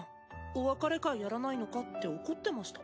お別れ会やらないのかって怒ってました。